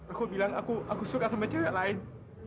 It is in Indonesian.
aku bilang aku suka sama cewek lain